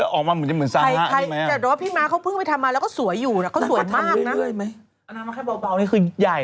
อันน้ำแค่เปล่านี้คือใหญ่